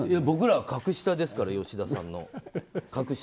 僕らは格下ですから、吉田さんの。